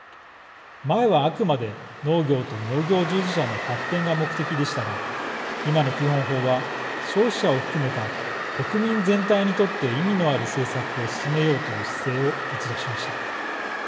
前は、あくまで農業と農業従事者の発展が目的でしたが今の基本法は消費者を含めた国民全体にとって意味のある政策を進めようという姿勢を打ち出しました。